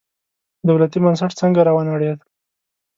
دولتي بنسټ څنګه راونړېد.